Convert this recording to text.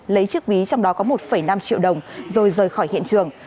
lấy chiếc ví trong đó có một năm triệu đồng rồi rời khỏi hiện trường